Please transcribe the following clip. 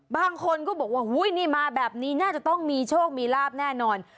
บางคนก็บอกว่าอุ้ยนี่มาแบบนี้น่าจะต้องมีโชคมีลาบแน่นอน